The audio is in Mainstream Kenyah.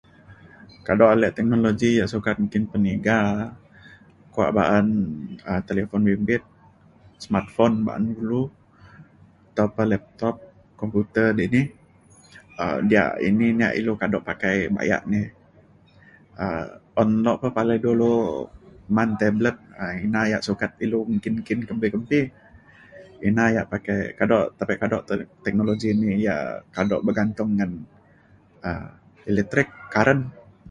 Kadu' alek teknologi ya sukat ti peniga kuak' paan um telefon bimbit smartphone paan ilu tambah laptop komputer dini um dia ini ilu kadu' pakai baya' ni um un nok ka dulu man tablet na ina ya sukat ilu kin kembi ina ya pakai kadu' tapi kadu' teknologi ini ya kadu' bergantung ngan um elektrik karen.